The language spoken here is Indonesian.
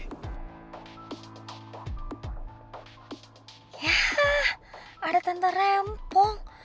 yah ada tante rempong